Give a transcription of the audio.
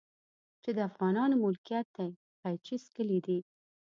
چې د افغانانو ملکيت دی په قيچي څکلي دي.